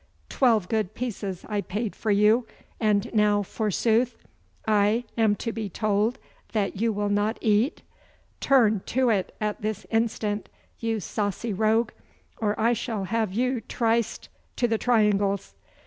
Twelve good pieces I paid for you, and now, forsooth, I am to be told that you will not eat! Turn to it at this instant, you saucy rogue, or I shall have you triced to the triangles!